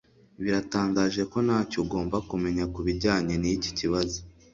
biratangaje ko ntacyo ugomba kumenya kubijyanye niki kibazo